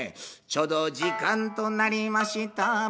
ちょうど時間となりました